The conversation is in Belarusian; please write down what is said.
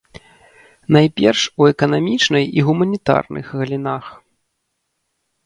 Найперш у эканамічнай і гуманітарных галінах.